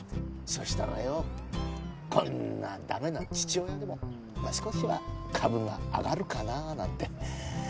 そしたらよこんな駄目な父親でも少しは株が上がるかななんて。